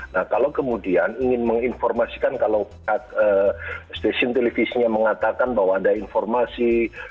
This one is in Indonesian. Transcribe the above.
nah kalau kemudian ingin menginformasikan kalau stasiun televisinya mengatakan bahwa ada informasi